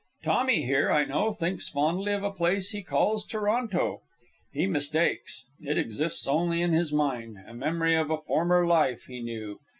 Tommy, here, I know, thinks fondly of a place he calls Toronto. He mistakes. It exists only in his mind, a memory of a former life he knew.